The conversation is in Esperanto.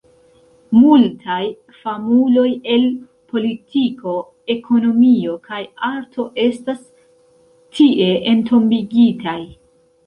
Multaj famuloj el politiko, ekonomio kaj arto estas tie entombigitaj.